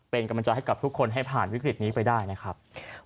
เป็นกำลังใจให้กับทุกคนให้ผ่านวิกฤตนี้ไปได้นะครับ